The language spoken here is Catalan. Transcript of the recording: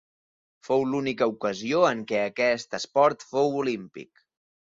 Fou l'única ocasió en què aquest esport fou olímpic.